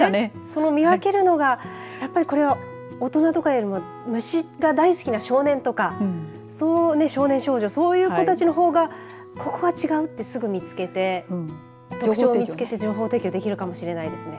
見分けるのがやっぱりこれは大人とかよりも虫が大好きな少年とか少年少女そういう子たちのほうがここは違うとすぐ見つけて情報提供できるかもしれないですね。